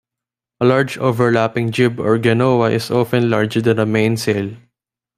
A large overlapping jib or genoa is often larger than the mainsail.